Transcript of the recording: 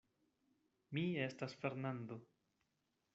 Mi estas Fernando.